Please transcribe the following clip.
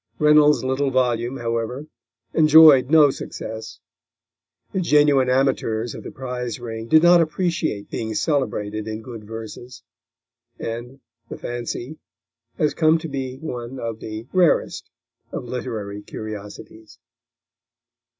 Reynolds' little volume, however, enjoyed no success. The genuine amateurs of the prize ring did not appreciate being celebrated in good verses, and The Fancy has come to be one of the rarest of literary curiosities.